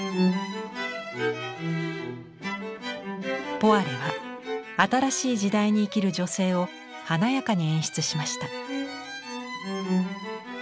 ポワレは新しい時代に生きる女性を華やかに演出しました。